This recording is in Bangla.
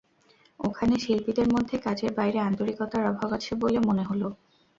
ওখানে শিল্পীদের মধ্যে কাজের বাইরে আন্তরিকতার অভাব আছে বলে মনে হলো।